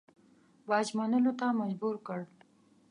باج منلو ته مجبور کړ.